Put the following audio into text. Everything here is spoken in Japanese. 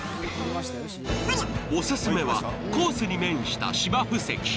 オススメはコースに面した芝生席。